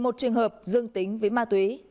một mươi một trường hợp dương tính với ma túy